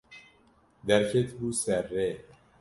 Derketibû ser rê.